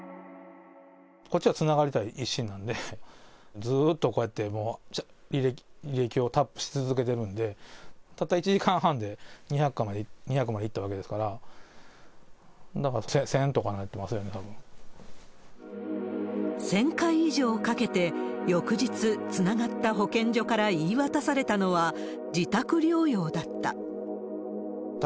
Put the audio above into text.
こっちはつながりたい一心なんで、ずーっとこうやって、履歴をタップし続けてるんで、たった１時間半で２００回までいったわけですから、だから１０００とかなってますよね、１０００回以上かけて、翌日つながった保健所から言い渡されたのは、自宅療養だった。